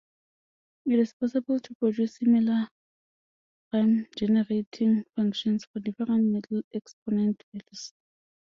It is possible to produce similar prime-generating functions for different middle exponent values.